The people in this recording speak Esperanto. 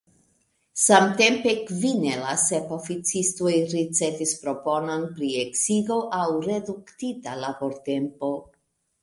Samtempe kvin el la sep oficistoj ricevis proponon pri eksigo aŭ reduktita labortempo.